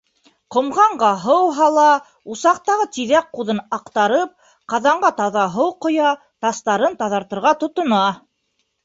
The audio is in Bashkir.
Ҡомғанға һыу һала, усаҡтағы тиҙәк ҡуҙын аҡтарып, ҡаҙанға таҙа һыу ҡоя, тастарын таҙартырға тотона.